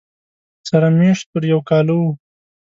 سره مېشت پر یو کاله و